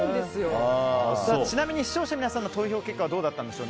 ちなみに視聴者の皆さんの投票結果はどうだったんでしょう。